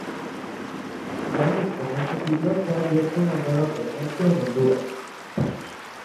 Ya en el presente siglo se ha abierto una nueva presencia en Honduras.